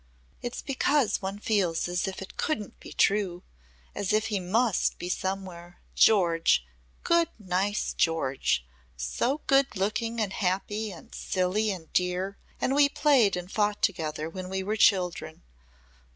"It's because one feels as if it couldn't be true as if he must be somewhere! George good nice George. So good looking and happy and silly and dear! And we played and fought together when we were children.